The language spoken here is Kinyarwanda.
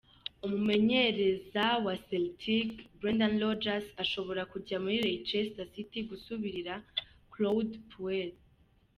Umumenyereza wa Celtic, Brendan Rodgers ashobora kuja muri Leicester City gusubirira Claude Puel.